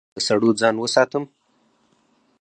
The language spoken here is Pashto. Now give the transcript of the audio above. ایا له سړو ځان وساتم؟